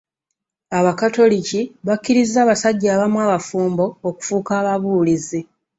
Abakatoliki bakirizza abasajja abamu abafumbo okufuuka ababuulizi.